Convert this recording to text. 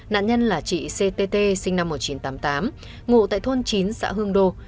nạn nhân là chị ctt sinh năm một nghìn chín trăm tám mươi tám ngụ tại thôn chín xã hương đô